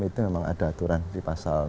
itu memang ada aturan di pasal